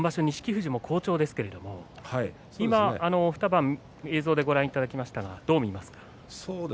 富士も好調ですけれども今２番映像でご覧いただきましたがどう見ますか。